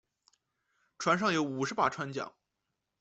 船上有五十把船浆。